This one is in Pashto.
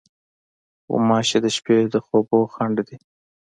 غوماشې د شپې د خوبو خنډ دي.